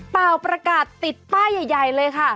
เปล่าประกาศติดป้ายใหญ่เลยค่ะ